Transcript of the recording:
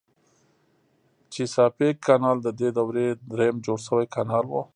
چیساپیک کانال ددې دورې دریم جوړ شوی کانال و.